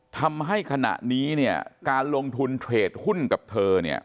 ทำให้ขณะนี้เนี่ยการลงทุนเทรดหุ้นกับเธอเนี่ย